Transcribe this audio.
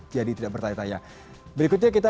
jadi tidak bertaya taya berikutnya kita